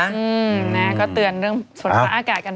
แม่ก็เตือนเรื่องส่วนภาคอากาศกัน